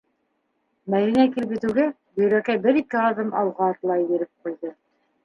- Мәҙинә килеп етеүгә, Бөйрәкәй берике аҙым алға атлай биреп ҡуйҙы.